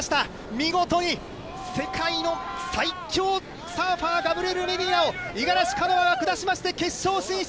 見事に世界の最強サーファー、ガブリエル・メディーナを五十嵐カノアが下しまして決勝進出。